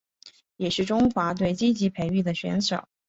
也是中华队积极培育的选手。